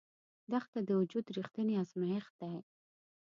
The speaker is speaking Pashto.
دښته د وجود رښتینی ازمېښت دی.